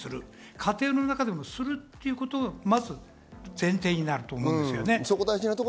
家庭の中でもするということが前提になってくると思うんです。